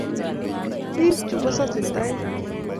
Biik chu kosasei toek